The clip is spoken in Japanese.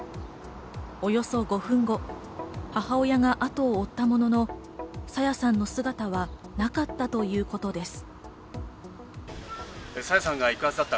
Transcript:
およそ５分後、母親が後を追ったものの、朝芽さんの姿はなかったということです。